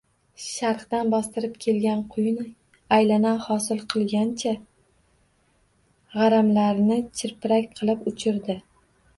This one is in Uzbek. Sharqdan bostirib kelgan quyun aylana hosil qilganicha gʻaramlarni chirpirak qilib uchirdi